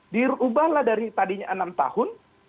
dirubahlah dari tadinya enam tahun